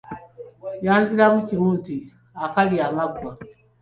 Yanziramu kimu nti; akalya amaggwa.